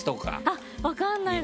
あっ分かんないですね。